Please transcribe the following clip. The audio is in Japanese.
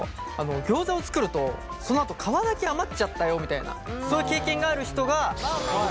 ギョーザを作るとそのあと皮だけ余っちゃったよみたいなそういう経験がある人が６９．５％。